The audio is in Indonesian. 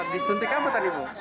disuntik apa tadi bu